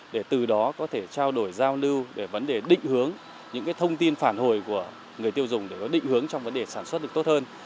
để từ đó có thể trao đổi giao lưu định hướng thông tin phản hồi của người tiêu dùng để định hướng trong vấn đề sản xuất tốt hơn